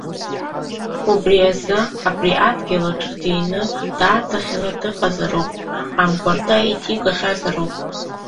Убри азы абри адгьыл аҿы дины, дааӡахьан дыҟазароуп, амгәарҭа иҭигахьазароуп.